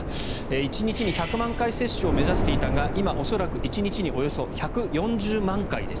１日に１００万回接種を目指していたが今、恐らく１日におよそ１４０万回です。